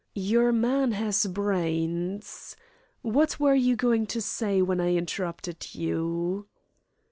"Your man has brains. What were you going to say when I interrupted you?"